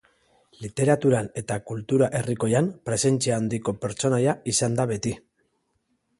Literaturan eta kultura herrikoian presentzia handiko pertsonaia izan da beti.